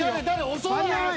遅い！